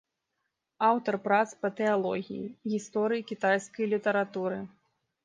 Аўтар прац па тэалогіі, гісторыі кітайскай літаратуры.